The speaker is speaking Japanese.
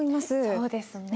そうですね。